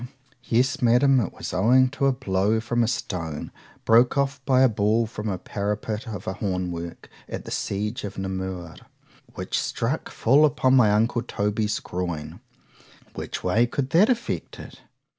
—Yes, Madam, it was owing to a blow from a stone, broke off by a ball from the parapet of a horn work at the siege of Namur, which struck full upon my uncle Toby's groin.—Which way could that effect it?